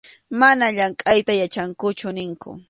Manam llamkʼayta yachankuchu ninkun.